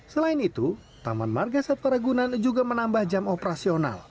selain itu taman marga satwa ragunan juga menambah jam operasional